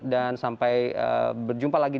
dan sampai berjumpa lagi